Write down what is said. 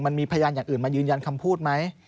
พยานอย่างอื่นมายืนยันคำพูดไหม